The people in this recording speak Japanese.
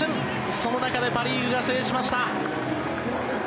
その中でパ・リーグが制しました。